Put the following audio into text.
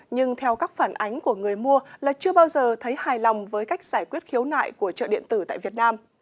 nhưng theo các phản ánh của người mua là chưa bao giờ thấy hài lòng với cách giải quyết khiếu nại của chợ điện tử tại việt nam